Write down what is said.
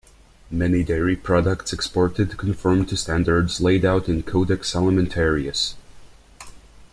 Many dairy products exported conform to standards laid out in Codex Alimentarius.